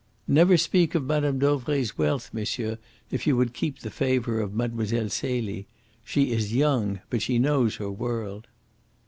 "Never speak of Mme. Dauvray's wealth, monsieur, if you would keep the favour of Mlle. Celie. She is young, but she knows her world."